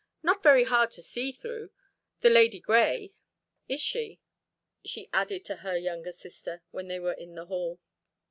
"Not very hard to see through, the Lady Grey, is she?" she added to her younger sister when they were in the hall.